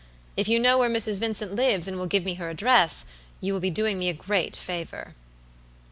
If you know where Mrs. Vincent lives and will give me her address, you will be doing me a great favor."